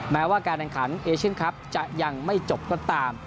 แม้ว่าการแข่งขันเอเชียนคลับจะยังไม่จบก็ตาม